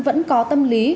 vẫn có tâm lý